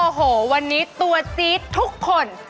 โอ้โหวันนี้ตัวจี๊ดทุกคน